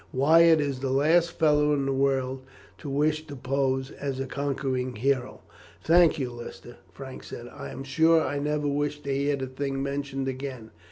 Wyatt is the last fellow in the world to wish to pose as a conquering hero." "Thank you, Lister," Frank said. "I am sure I never wish to hear the thing mentioned again.